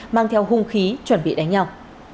mang theo hung khí chuẩn bị đánh nhau